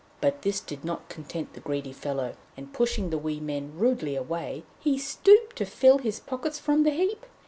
But this did not content the greedy fellow, and pushing the wee men rudely away, he stooped to fill his pockets from the heap.